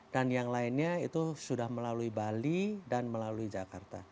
dan yang lainnya itu sudah melalui bali dan melalui jakarta